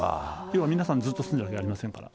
要は皆さんずっと住んでるわけじゃありませんから。